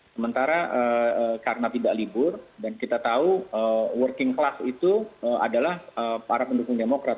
sementara karena tidak libur dan kita tahu working class itu adalah para pendukung demokrat